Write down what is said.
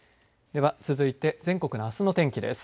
では、続いて全国のあすの天気です。